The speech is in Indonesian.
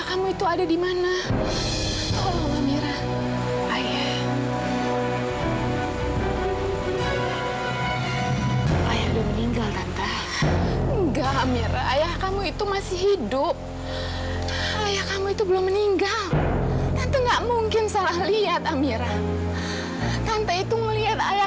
sampai jumpa di video selanjutnya